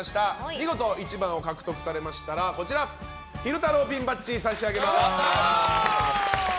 見事１番を獲得されましたら昼太郎ピンバッジ差し上げます。